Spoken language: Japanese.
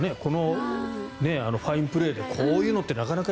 ファインプレーでこういうのってなかなか。